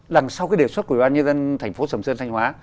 lần sau cái đề xuất của người dân thành phố sầm sơn thanh hóa